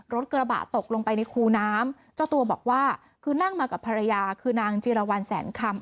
รถกระบะตกลงไปในคูน้ำเจ้าตัวบอกว่าคือนั่งมากับภรรยาคือนางจีรวรรณแสนคำ